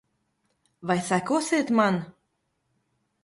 Vai sekosiet man?